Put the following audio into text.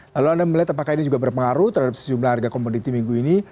lalu anda melihat apakah ini juga berpengaruh terhadap sejumlah harga komoditi minggu ini